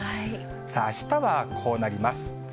さあ、あしたはこうなります。